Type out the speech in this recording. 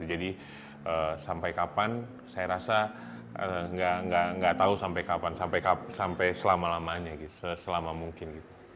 jadi sampai kapan saya rasa tidak tahu sampai kapan sampai selama lamanya selama mungkin